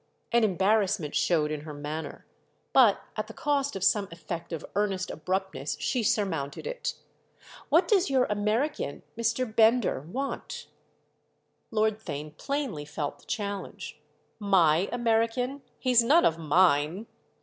An embarrassment showed in her manner, but at the cost of some effect of earnest abruptness she surmounted it. "What does your American—Mr. Bender—want?" Lord Theign plainly felt the challenge. "'My' American? He's none of mine!"